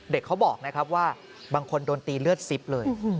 เขาบอกนะครับว่าบางคนโดนตีเลือดซิบเลย